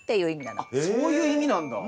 あっそういう意味なんだ。